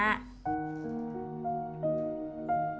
bapak mau ditanyakan ke emak